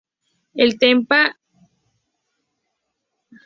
El tema oficial del evento fue ""Falling Apart"" de Trust Company.